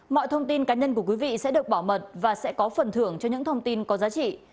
mọi thông tin cá nhân của quý vị sẽ được bảo mật và sẽ có phần thưởng cho những thông tin có giá trị